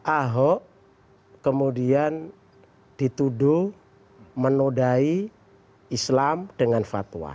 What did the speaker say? ahok kemudian dituduh menodai islam dengan fatwa